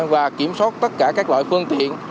và kiểm soát tất cả các loại phương tiện